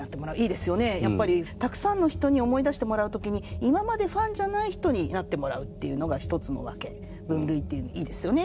やっぱりたくさんの人に思い出してもらう時に今までファンじゃない人になってもらうっていうのが一つの分け分類っていうのいいですよね。